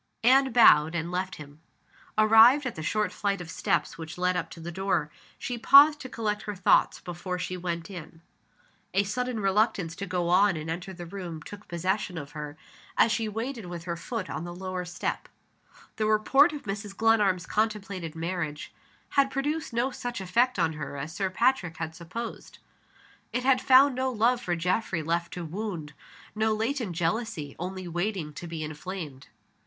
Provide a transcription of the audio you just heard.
Anne bowed, and left him. Arrived at the short flight of steps which led up to the door, she paused to collect her thoughts before she went in. A sudden reluctance to go on and enter the room took possession of her, as she waited with her foot on the lower step. The report of Mrs. Glenarm's contemplated marriage had produced no such effect on her as Sir Patrick had supposed: it had found no love for Geoffrey left to wound, no latent jealousy only waiting to be inflamed.